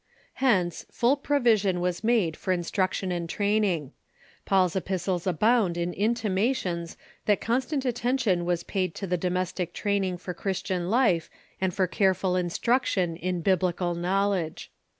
Hence, full provision was made for instruction and training. Paul's epistles abound in intimations that constant attention was paid to the domes tic training for Christian life and for careful instruction in Biblical knowledge.